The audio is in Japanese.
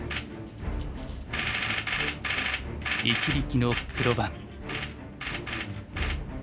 一力の黒番。